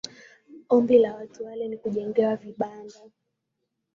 Ombi la watu wale ni kujengewa vibanda